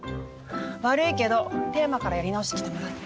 悪いけどテーマからやり直してきてもらって。